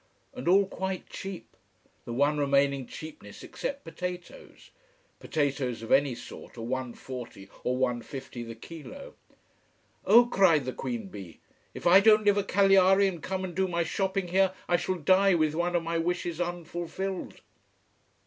And all quite cheap, the one remaining cheapness, except potatoes. Potatoes of any sort are 1.40 or 1.50 the kilo. "Oh!" cried the q b, "If I don't live at Cagliari and come and do my shopping here, I shall die with one of my wishes unfulfilled."